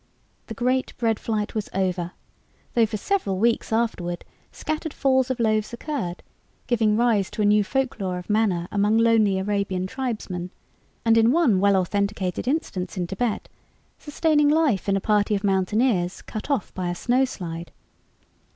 The great bread flight was over, though for several weeks afterward scattered falls of loaves occurred, giving rise to a new folklore of manna among lonely Arabian tribesmen, and in one well authenticated instance in Tibet, sustaining life in a party of mountaineers cut off by a snow slide.